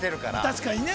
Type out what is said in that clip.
◆確かにね。